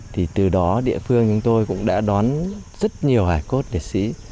thì từ đó địa phương chúng tôi cũng đã đón rất nhiều hải cốt liệt sĩ